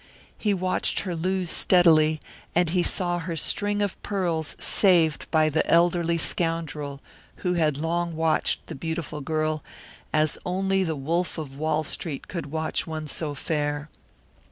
He watched her lose steadily, and saw her string of pearls saved by the elderly scoundrel who had long watched the beautiful girl as only the Wolf of Wall Street could watch one so fair.